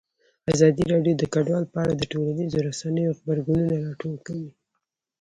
ازادي راډیو د کډوال په اړه د ټولنیزو رسنیو غبرګونونه راټول کړي.